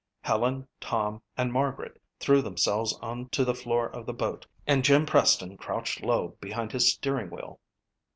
Helen, Tom and Margaret threw themselves onto the floor of the boat and Jim Preston crouched low behind his steering wheel.